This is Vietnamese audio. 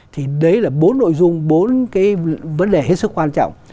thì đấy là bốn nội dung bốn cái vấn đề hết sức quan trọng